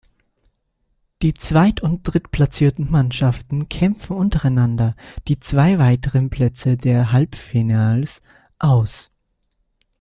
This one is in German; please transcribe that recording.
Die zweit- und drittplatzierten Mannschaften kämpfen untereinander die zwei weiteren Plätze der Halbfinals aus.